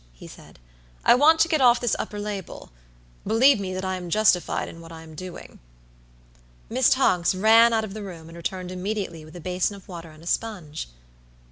he said. "I want to get off this upper label. Believe me that I am justified in what I am doing." Miss Tonks ran out of the room and returned immediately with a basin of water and a sponge.